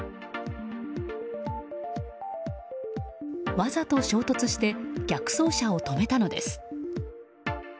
わざと衝突して逆走車を止めたのです。